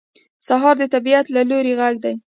سهار د طبیعت له لوري غږ دی.